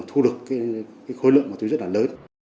thu được khối lượng ma túy rất là lớn